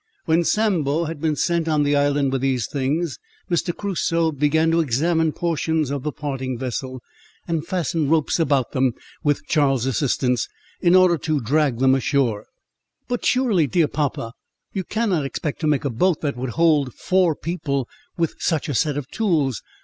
When Sambo had been sent on the island with these things, Mr. Crusoe began to examine portions of the parting vessel, and fasten ropes about them, with Charles's assistance, in order to drag them ashore. "But surely, dear papa, you cannot expect to make a boat that would hold four people with such a set of tools?